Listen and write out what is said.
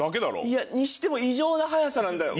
いやにしても異常な早さなんだよ。